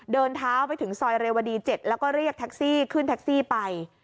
เดินเท้าไปถึงซอยเรวดี๗แล้วก็เรียกแท็กซี่ขึ้นแท็กซี่ไป